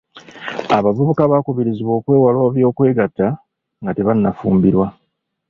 Abavubuka bakubirizibwa okwewala eby'okwegatta nga tebannafumbirwa.